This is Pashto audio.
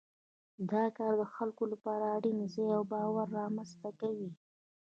دا کار د خلکو لپاره اړین ځان باور رامنځته کوي.